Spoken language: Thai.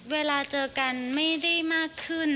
เวลาเจอกันไม่ได้มากขึ้น